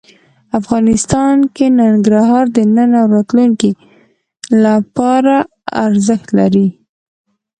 افغانستان کې ننګرهار د نن او راتلونکي لپاره ارزښت لري.